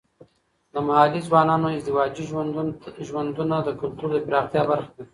د محلي ځوانانو ازدواجي ژوندونه د کلتور د پراختیا برخه ده.